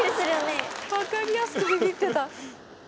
分かりやすくビビってた。